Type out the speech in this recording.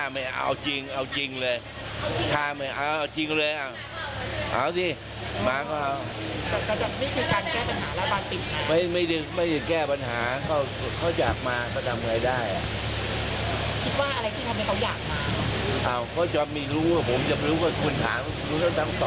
ผมอาจจะดีก็ได้มั้ง